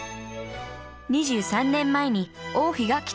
２３年前に王妃が着たドレス。